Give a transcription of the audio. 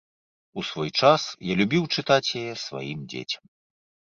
У свой час я любіў чытаць яе сваім дзецям.